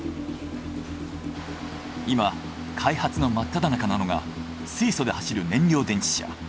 今開発の真っ只中なのが水素で走る燃料電池車。